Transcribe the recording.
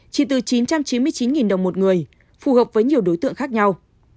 chỉ từ chín trăm chín mươi chín đồng một người phù hợp với nhiều đối tượng khác nhau